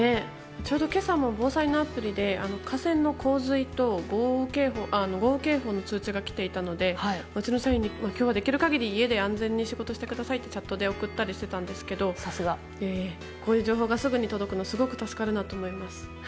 ちょうど今朝も防災のアプリで河川の洪水と豪雨警報の通知が来ていたのでうちの社員に今日はできる限り家で安全に仕事してくださいとチャットで送ったりしていたんですけどこういう情報がすぐに届くのはすごく助かるなと思います。